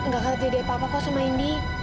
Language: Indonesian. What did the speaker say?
gak akan terjadi apa apa kok sama indi